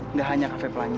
nggak hanya kafe pelangi